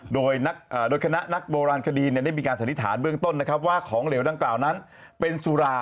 โดยคณะนักโบราณคดีได้มีการสันนิษฐานเบื้องต้นนะครับว่าของเหลวดังกล่าวนั้นเป็นสุรา